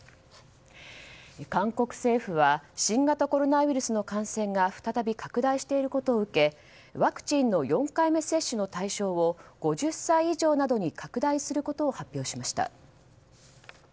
韓国政府は新型コロナウイルスの感染が再び拡大していることを受けワクチンの４回目接種の対象を５０歳以上などに拡大することを発表しました。